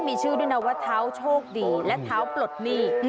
มีชื่อด้วยนะว่าเท้าโชคดีและเท้าปลดหนี้